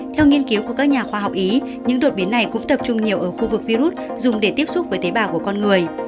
theo nghiên cứu của các nhà khoa học ý những đột biến này cũng tập trung nhiều ở khu vực virus dùng để tiếp xúc với tế bào của con người